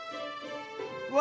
うわ！